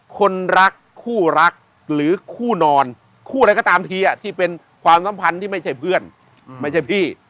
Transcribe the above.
คนรักคู่รักหรือคู่นอนคู่อะไรก็ตามทีที่เป็นความสัมพันธ์ที่ไม่ใช่เพื่อนไม่ใช่พี่